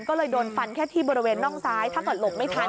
ก็เลยโดนฟันแค่ที่บริเวณน่องซ้ายถ้าเกิดหลบไม่ทัน